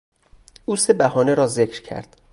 او سه بهانه را ذکر کرد.